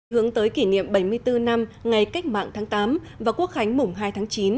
hướng tới kỷ niệm bảy mươi bốn năm ngày cách mạng tháng tám và quốc khánh mùng hai tháng chín